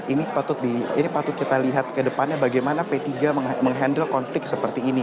ini patut kita lihat ke depannya bagaimana p tiga menghandle konflik seperti ini